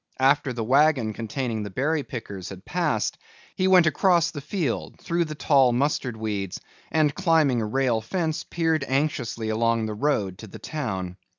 After the wagon containing the berry pickers had passed, he went across the field through the tall mustard weeds and climbing a rail fence peered anxiously along the road to the town.